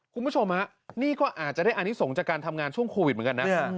คุณผู้ชมฮะนี่ก็อาจจะได้อันนี้ส่งจากการทำงานช่วงโควิดเหมือนกันนะ